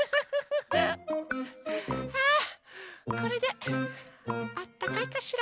あこれであったかいかしら？